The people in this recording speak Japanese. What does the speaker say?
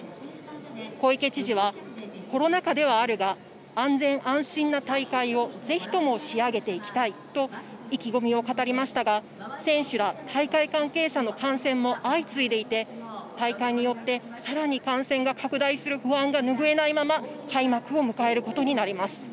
小池知事はコロナ禍ではあるが、安全・安心な大会を是非とも仕上げていきたいと意気込みを語りましたが、選手ら大会関係者の感染も相次いでいて、大会によってさらに感染が拡大する不安がぬぐえないまま開幕を迎えることになります。